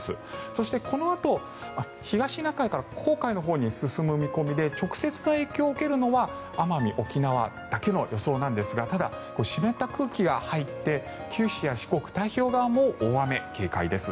そして、このあと東シナ海から黄海のほうに進む見込みで直接の影響を受けるのは奄美、沖縄だけの予想ですがただ、湿った空気が入って九州や四国、太平洋側も大雨に警戒です。